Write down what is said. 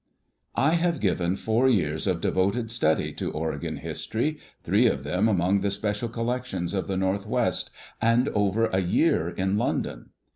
I have given four years* of devoted study to Oregon history, three of them among the special collections of the Northwest, and over a year in London.